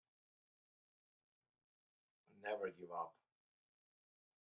Never give up.